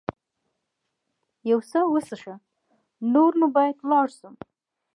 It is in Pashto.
یو څه وڅښه، نور نو باید ولاړ شم.